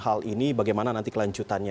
hal ini bagaimana nanti kelanjutannya